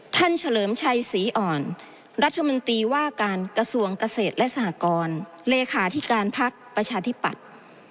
เฉลิมชัยศรีอ่อนรัฐมนตรีว่าการกระทรวงเกษตรและสหกรเลขาธิการพักประชาธิปัตย์